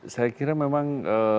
saya kira memang